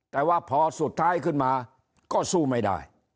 แต่ว่าพอสุดท้ายขึ้นมาก็สู้ไม่ได้